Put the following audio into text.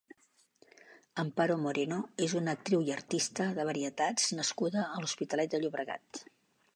Amparo Moreno és una actriu i artista de varietats nascuda a l'Hospitalet de Llobregat.